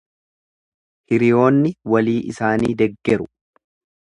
Hiriyoonni walii isaanii deggeru.